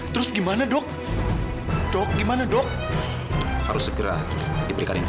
bagaimana kamu disini